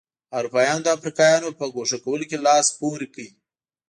اروپایانو د افریقایانو په ګوښه کولو لاس پورې کړ.